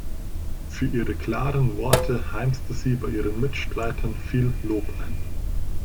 Für ihre klaren Worte heimste sie bei ihren Mitstreitern viel Lob ein.